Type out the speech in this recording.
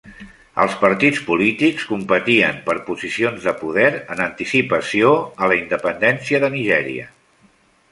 Els partits polítics competien per posicions de poder en anticipació a la independència de Nigèria.